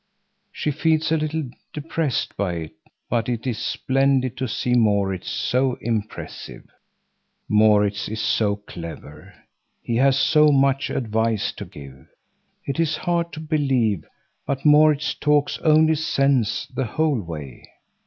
She feels a little depressed by it, but it is splendid to see Maurits so impressive. Maurits is so clever; he has so much advice to give!—it is hard to believe—but Maurits talks only sense the whole way.